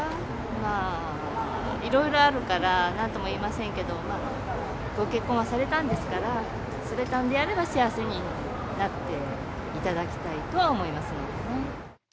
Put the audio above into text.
まあ、いろいろあるから、なんとも言えませんけど、ご結婚はされたんですから、されたんであれば、幸せになっていただきたいとは思いますね。